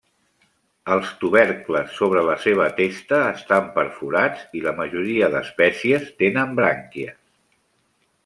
Els tubercles sobre la seva testa estan perforats i la majoria d'espècies tenen brànquies.